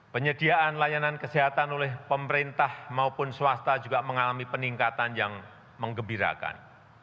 penyediaan layanan kesehatan oleh pemerintah maupun swasta juga mengalami peningkatan yang mengembirakan